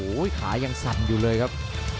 โอ้โหขายังสั่นอยู่เลยครับ